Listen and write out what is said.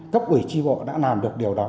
cấp ủy tri bộ đã làm được điều đó